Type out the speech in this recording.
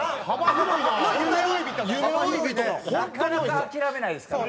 なかなか諦めないですから。